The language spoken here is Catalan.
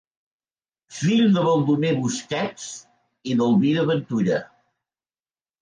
Fill de Baldomer Busquets i d’Elvira Ventura.